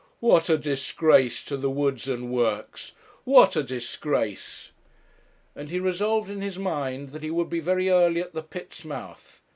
'What a disgrace to the Woods and Works what a disgrace!' And he resolved in his mind that he would be very early at the pit's mouth.